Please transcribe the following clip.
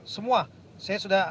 semua saya sudah